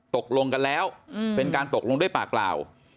ตกลงกันแล้วเป็นการตกลงด้วยปากเปล่า